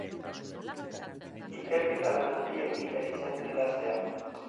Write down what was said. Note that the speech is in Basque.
Ikeketa lan handia egin behar izan du idazleak.